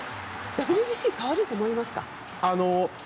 ＷＢＣ変わると思いますか？